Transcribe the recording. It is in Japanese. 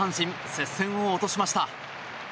接戦を落としました。